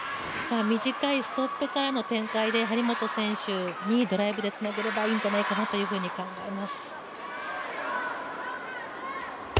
短いストップからの展開で張本選手にドライブでつなげればいいんじゃないかと考えます。